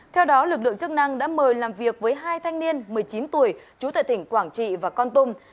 theo đó lực lượng chức năng đã mời làm việc với hai thanh niên một mươi chín tuổi trú tại tỉnh quảng trị và con tum